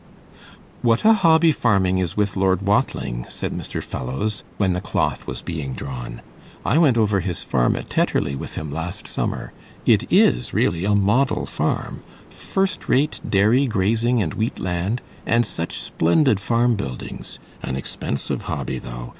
'What a hobby farming is with Lord Watling!' said Mr. Fellowes, when the cloth was being drawn. 'I went over his farm at Tetterley with him last summer. It is really a model farm; first rate dairy, grazing and wheat land, and such splendid farm buildings! An expensive hobby, though.